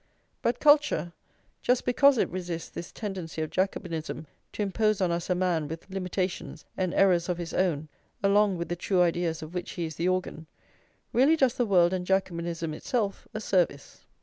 But culture, just because it resists this tendency of Jacobinism to impose on us a man with limitations and errors of his own along with the true ideas of which he is the organ, really does the world and Jacobinism itself a service.